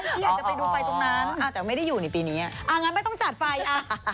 อยากจะไปดูไฟตรงนั้นแต่ไม่ได้อยู่ในปีนี้อ่างั้นไม่ต้องจัดไฟอ่ะ